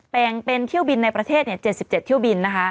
แบ่งเป็นเที่ยวบินในประเทศ๗๗เที่ยวบินนะคะ